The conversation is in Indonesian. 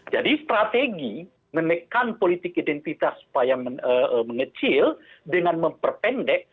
jadi strategi menekan politik identitas supaya mengecil dengan memperpendek